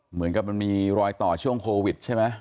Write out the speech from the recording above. เหมือนกับมันมีรอยต่อช่วงโควิดใช่ไหม